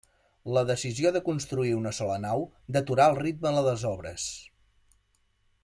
La decisió de construir una sola nau deturà el ritme de les obres.